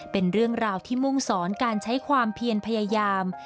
เป็นเรื่องราวที่มุ่งสอนการใช้ความเพียรพยายาม